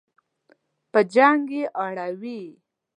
په جنګ یې اړوي.